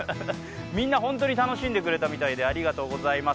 みんな本当に楽しんでくれたみたいで、ありがとうございます。